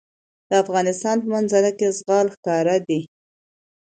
د افغانستان په منظره کې زغال ښکاره ده.